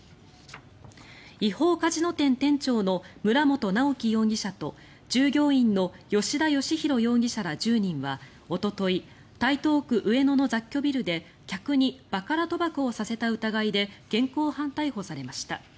違法カジノ店店長の村本直樹容疑者と従業員の吉田芳洋容疑者ら１０人は、おととい台東区上野の雑居ビルで客にバカラ賭博をさせた疑いで現行犯逮捕されました。